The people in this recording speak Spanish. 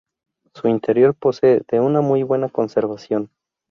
Su interior posee de una muy buena conservación.